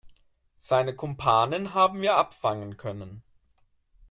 Seine Kumpanen haben wir abfangen können.